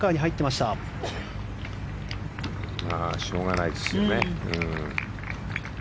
しょうがないですよね。